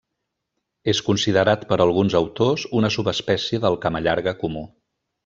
És considerat per alguns autors una subespècie del camallarga comú.